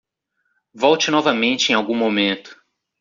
Volte novamente em algum momento.